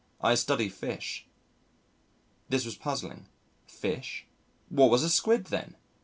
"I study fish." This was puzzling. "Fish?" What was a Squid then?